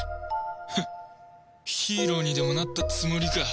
フッヒーローにでもなったつもりか